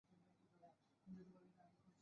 তার মায়রে বাপ?